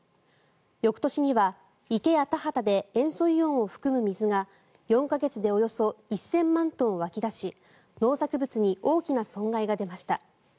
翌年には池や田畑で塩素イオンを含む水が４か月でおよそ１０００万トン湧き出し農作物に大きな損害が出ました。